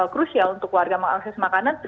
krusial untuk warga mengakses makanan